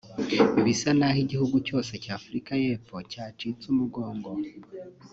Bisa n’aho igihugu cyose cya Africa y’Epfo cyacitse umugongo